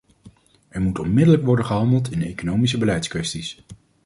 Er moet onmiddellijk worden gehandeld in economische beleidskwesties.